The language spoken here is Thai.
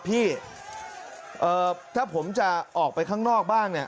พี่ถ้าผมจะออกไปข้างนอกบ้างเนี่ย